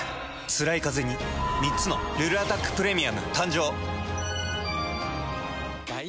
つらいカゼに３つの「ルルアタックプレミアム」誕生。